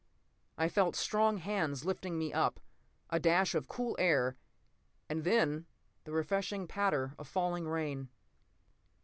p> I felt strong hands lifting me up. A dash of cool air, and then the refreshing patter of falling rain.